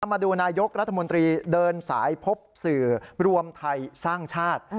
มาดูนายกรัฐมนตรีเดินสายพบสื่อรวมไทยสร้างชาติ